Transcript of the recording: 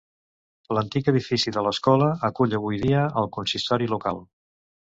L'antic edifici de l'escola acull avui dia el consistori local.